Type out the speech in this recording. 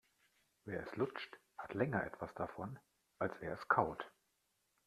Wer es lutscht, hat länger etwas davon, als wer es kaut.